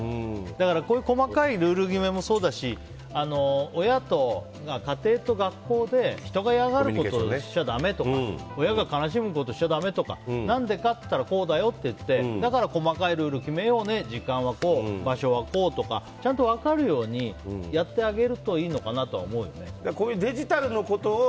だから、こういう細かいルール決めもそうだし親と、家庭と学校で人が嫌がることをしちゃだめとか親が悲しむことをしちゃだめとか何でかと言ったらこうだよって言ってだから細かいルールを決めようね時間はこう、場所はこうとかちゃんと分かるようにやってあげるといいのかなとこういうデジタルのことを